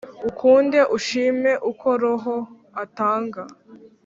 ukunde ushime uko roho atanga